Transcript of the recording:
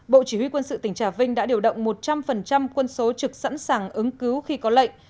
bộ chỉ huy quân sự tỉnh trà vinh đã điều động một trăm linh quân số trực sẵn sàng ứng cứu khi có lệnh